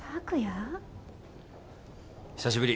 久しぶり。